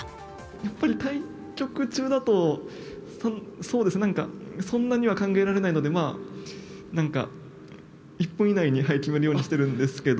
やっぱり対局中だと、そうですね、なんかそんなには考えられないので、まあ、なんか、１分以内に決めるようにしてるんですけど。